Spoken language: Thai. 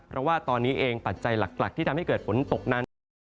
เพราะว่าตอนนี้เองปัจจัยหลักที่ทำให้เกิดฝนตกนั้นนะครับ